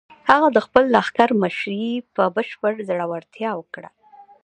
هغه د خپل لښکر مشري په بشپړ زړورتیا وکړه.